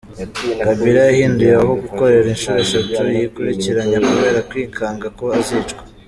Kabila yahinduye aho gukorera inshuro eshatu yikurikiranya kubera kwikanga ko azicwa.